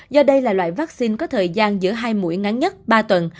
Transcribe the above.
do đây là loại vaccine có thời gian giữa hai mũi ngắn nhất ba tuần